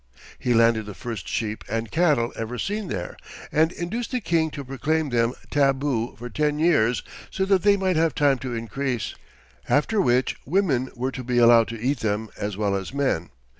He landed the first sheep and cattle ever seen there, and induced the king to proclaim them tabu for ten years so that they might have time to increase, after which women were to be allowed to eat them as well as men.